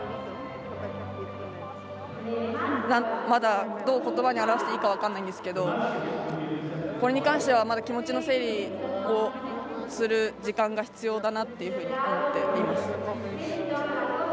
まだどう、ことばに表していいか分かんないんですけどこれに関しては気持ちの整理をする時間が必要だなと思っています。